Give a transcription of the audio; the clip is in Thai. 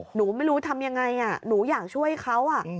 หนูไม่รู้ทำยังไงหนูอยากช่วยเขา